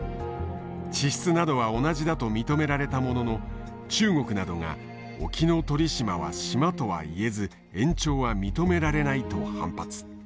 地質などは同じだと認められたものの中国などが沖ノ鳥島は島とは言えず延長は認められないと反発。